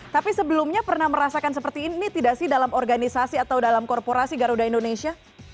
tapi sebelumnya pernah merasakan seperti ini tidak sih dalam organisasi atau dalam korporasi garuda indonesia